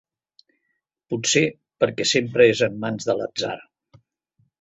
Potser perquè sempre és en mans de l'atzar.